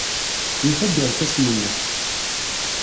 Yufa-d irkasen-nnes.